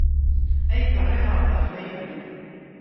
Ay terriḍ ar daxel a yul!